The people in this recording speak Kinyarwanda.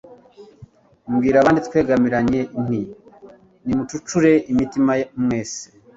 Mbwira abandi twegamiranye, Nti nimucurure imitima mwese,